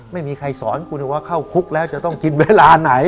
ไม่มีใครสอนคุณว่าเข้าคุกแล้วจะต้องกินเวลาไหน